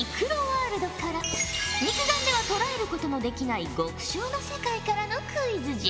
肉眼では捉えることのできない極小の世界からのクイズじゃ。